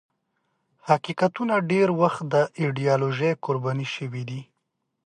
حقیقتونه ډېر وخت د ایدیالوژۍ قرباني شوي دي.